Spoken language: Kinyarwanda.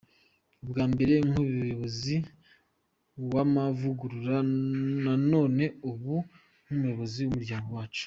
Ubwa mbere nk’umuyobozi w’amavugurura nanone ubu nk’umuyobozi w’umuryango wacu.